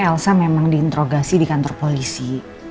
elsa memang diinterogasi di kantor polisi